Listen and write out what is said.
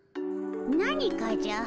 何かじゃ。